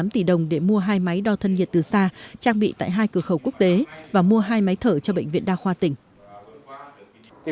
tám tỷ đồng để mua hai máy đo thân nhiệt từ xa trang bị tại hai cửa khẩu quốc tế và mua hai máy thở cho bệnh viện đa khoa tỉnh